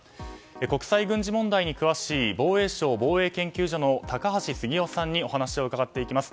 国際軍事問題に詳しい防衛省防衛研究所の高橋杉雄さんにお話を伺っていきます。